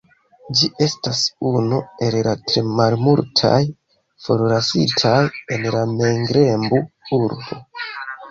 Ĝi estas unu el la tre malmultaj forlasitaj en la Menglembu-urbo.